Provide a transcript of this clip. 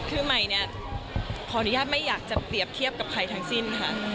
คือใหม่เนี่ยขออนุญาตไม่อยากจะเปรียบเทียบกับใครทั้งสิ้นค่ะ